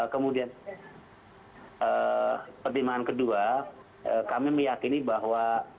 kemudian pertimbangan kedua kami meyakini bahwa